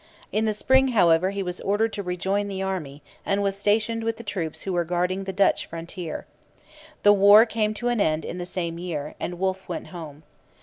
In the spring, however, he was ordered to rejoin the army, and was stationed with the troops who were guarding the Dutch frontier. The war came to an end in the same year, and Wolfe went home.